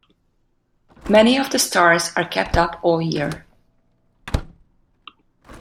Many of the stars are kept up all year.